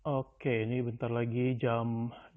oke ini bentar lagi jam delapan belas tiga puluh